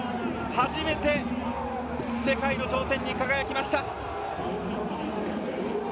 初めて世界の頂点に輝きました！